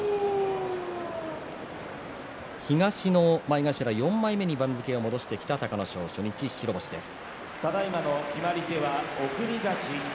東の前頭４枚目に番付を戻してきた隆の勝初日、白星です。